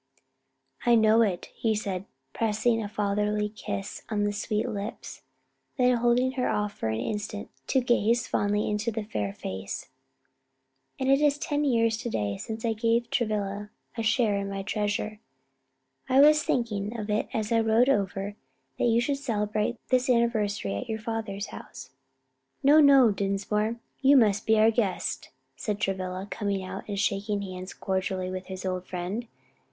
"I know it," he said, pressing a fatherly kiss on the sweet lips, then holding her off for an instant to gaze fondly into the fair face. "And it is ten years to day since I gave Travilla a share in my treasure. I was thinking of it as I rode over and that you should celebrate this anniversary at your father's house." "No, no, Dinsmore, you must be our guest," said Travilla, coming out and shaking hands cordially with his old friend.